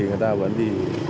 người ta vẫn đi